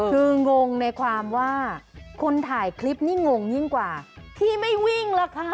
คืองงในความว่าคุณถ่ายคลิปนี่งงยิ่งกว่าที่ไม่วิ่งล่ะค่ะ